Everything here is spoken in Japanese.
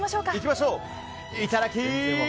いただき！